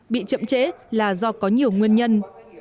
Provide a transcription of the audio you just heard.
bị chậm chế là do có nhiều nguyên nhân